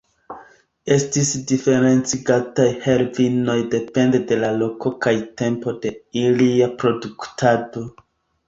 Estis diferencigataj hrivnoj depende de la loko kaj tempo de ilia produktado.